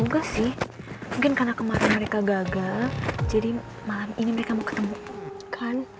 enggak sih mungkin karena kemarin mereka gagal jadi malam ini mereka mau ketemu kan